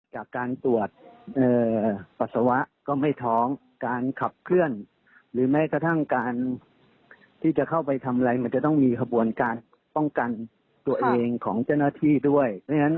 จากการตรวจปัสสาวะก็ไม่ท้องการขับเคลื่อนหรือแม้กระทั่งการที่จะเข้าไปทำอะไรมันจะต้องมีขบวนการป้องกันตัวเองของเจ้าหน้าที่ด้วย